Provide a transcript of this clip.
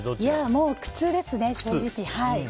もう苦痛ですね、正直。